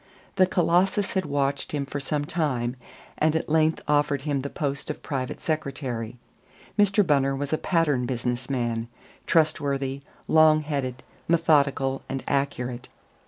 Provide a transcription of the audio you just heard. The Colossus had watched him for some time, and at length offered him the post of private secretary. Mr. Bunner was a pattern business man, trustworthy, long headed, methodical and accurate.